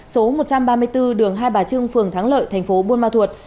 số một trăm ba mươi bốn đường hai bà trưng phường thắng lợi thành phố buôn ma thuột